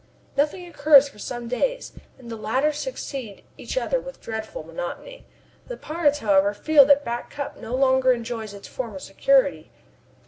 Nothing occurs for some days, and the latter succeed each other with dreadful monotony. The pirates, however, feel that Back Cup no longer enjoys its former security.